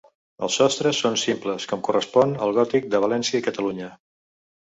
Els sostres són simples, com correspon al gòtic de València i Catalunya.